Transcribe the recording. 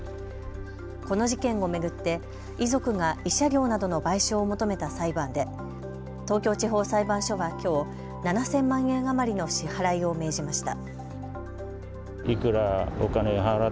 この事件を巡って遺族が慰謝料などの賠償を求めた裁判で東京地方裁判所はきょう７０００万円余りの支払いを命じました。